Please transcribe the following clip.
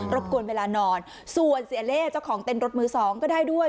บกวนเวลานอนส่วนเสียเล่เจ้าของเต้นรถมือสองก็ได้ด้วย